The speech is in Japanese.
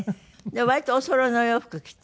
割とおそろいのお洋服着て？